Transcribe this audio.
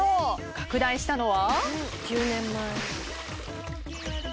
拡大したのは。